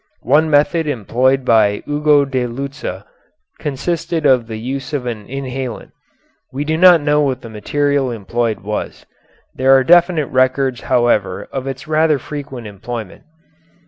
One method employed by Ugo da Lucca consisted of the use of an inhalant. We do not know what the material employed was. There are definite records, however, of its rather frequent employment.